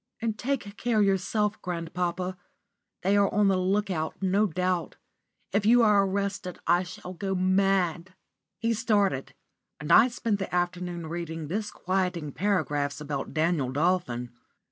"And take care yourself, grandpapa. They are on the look out, no doubt. If you are arrested, I shall go mad." He started, and I spent the afternoon reading disquieting paragraphs about Daniel Dolphin.